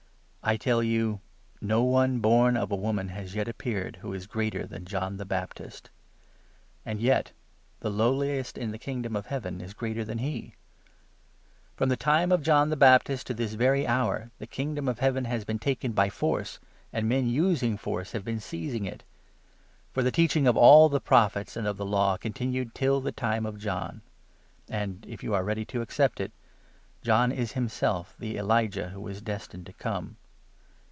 I tell you, no one born of a woman has yet appeared who is 1 1 S eater than John the Baptist ; and yet the lowliest in the ingdom of Heaven is greater than he. From the time of 12 John the Baptist to this very hour, the Kingdom of Heaven has been taken by force, and men using force have been seizing it. For the teaching of all the Prophets and of the 13 Law continued till the time of John ; and — if you are ready to 14 accept it — John is himself the Elijah who was destined to come.